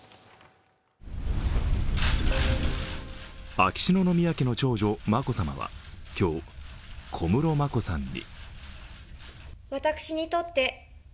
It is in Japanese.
秋篠宮家の長女・眞子さまは今日、小室眞子さんに。